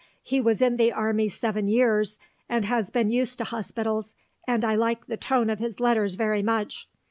He was in the army seven years, and has been used to hospitals, and I like the tone of his letters very much.